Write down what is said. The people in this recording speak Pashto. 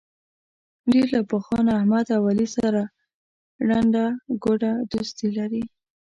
ډېر له پخوا نه احمد او علي سره ړنده ګوډه دوستي لري.